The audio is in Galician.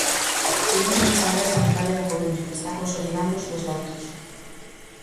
Seguimos nesa área sanitaria da Coruña, que está consolidando os bos datos.